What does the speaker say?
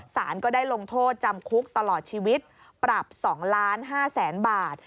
สารก็ได้ลงโทษจำคุกตลอดชีวิตปรับ๒๕๐๐๐๐บาท